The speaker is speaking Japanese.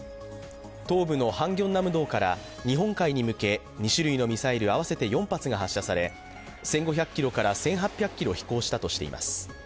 東部のハムギョンナムドから日本海に向け２種類のミサイル合わせて４発が発射され１５００ｋｍから１８００ｋｍ飛行したとしています。